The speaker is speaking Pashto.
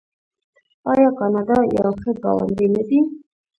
آیا کاناډا یو ښه ګاونډی نه دی؟